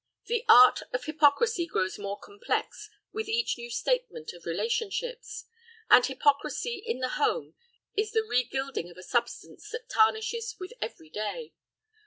The art of hypocrisy grows more complex with each new statement of relationships. And hypocrisy in the home is the reguilding of a substance that tarnishes with every day.